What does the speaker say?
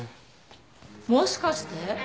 もしかして？